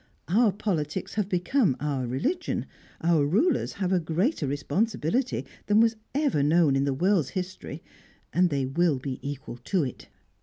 Our politics have become our religion. Our rulers have a greater responsibility than was ever known in the world's history and they will be equal to it!"